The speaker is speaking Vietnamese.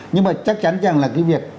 nhưng mà chắc chắn rằng là cái việc